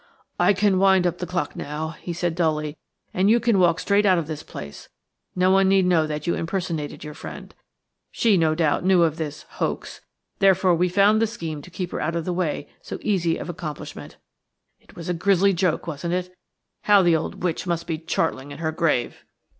"I can wind up the clock now," he said dully, "and you can walk straight out of this place. No one need know that you impersonated your friend. She, no doubt, knew of this–hoax; therefore we found the scheme to keep her out of the way so easy of accomplishment. It was a grisly joke, wasn't it? How the old witch must be chortling in her grave!